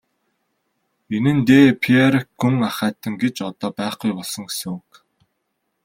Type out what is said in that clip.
Энэ нь де Пейрак гүн ахайтан гэж одоо байхгүй болсон гэсэн үг.